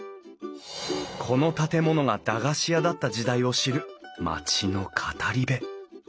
この建物が駄菓子屋だった時代を知る町の語り部